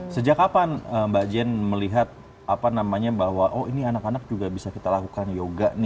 sejak kapan mbak jen melihat apa namanya bahwa oh ini anak anak juga bisa kita lakukan yoga nih